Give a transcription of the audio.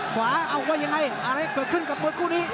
ขวาเอาว่ายังไงอะไรเกิดขึ้นกับมวยคู่นี้